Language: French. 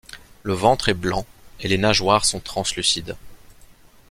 Le ventre est blanc et les nageoires sont translucides.